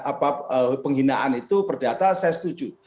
apa penghinaan itu perdata saya setuju